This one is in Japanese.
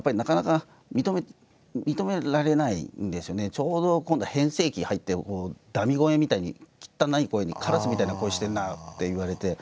ちょうど今度は変声期に入ってだみ声みたいにきったない声に「カラスみたいな声してんなあ」って言われて。